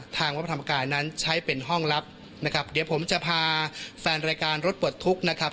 ทางวัดพระธรรมกายนั้นใช้เป็นห้องลับนะครับเดี๋ยวผมจะพาแฟนรายการรถปลดทุกข์นะครับ